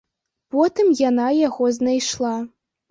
Потым яна яго знайшла.